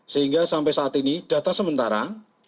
sehingga sampai saat ini data sementara